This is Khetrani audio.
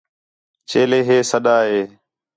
جیلے ہے سݙا ہِے